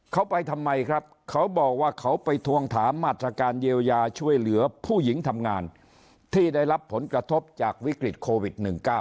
เขาไปทำไมครับเขาบอกว่าเขาไปทวงถามมาตรการเยียวยาช่วยเหลือผู้หญิงทำงานที่ได้รับผลกระทบจากวิกฤตโควิด๑๙